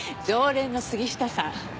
常連の杉下さん。